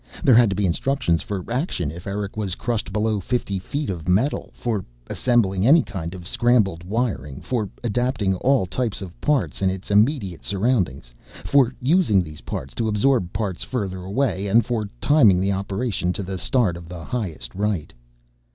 There had to be instructions for action if Eric was crushed below fifty feet of metal, for assembling any kind of scrambled wiring, for adapting all types of parts in its immediate surroundings, for using these parts to absorb parts further away and for timing the operation to the start of the Highest Rite.